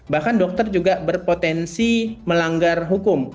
bahkan dokter juga berpotensi melanggar hukum